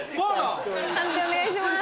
判定お願いします。